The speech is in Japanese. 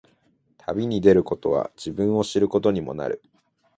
旅に出ることは、自分を知ることにもなる。